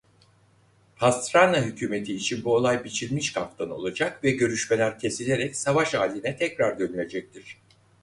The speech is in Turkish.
Pastrana hükûmeti için bu olay biçilmiş kaftan olacak ve görüşmeler kesilerek savaş hâline tekrar dönülecektir.